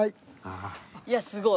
いやあすごい。